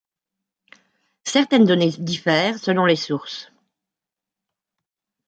Certaines données diffèrent selon les sources.